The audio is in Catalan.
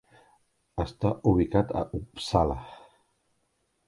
Està ubicat a Uppsala.